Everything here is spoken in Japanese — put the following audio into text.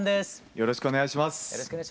よろしくお願いします。